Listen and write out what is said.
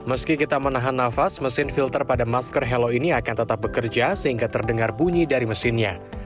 meski kita menahan nafas mesin filter pada masker hello ini akan tetap bekerja sehingga terdengar bunyi dari mesinnya